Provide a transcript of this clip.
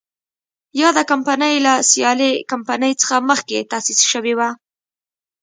یاده کمپنۍ له سیالې کمپنۍ څخه مخکې تاسیس شوې وه.